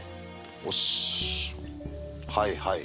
よしはいはい。